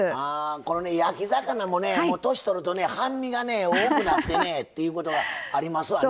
この焼き魚も年とるとね半身が多くなってねっていうことがありますわね。